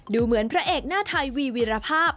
ดูเหมือนพระเอกหน้าไทยวีวีรภาพ